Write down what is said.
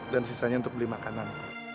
dan sisanya untuk beli makanan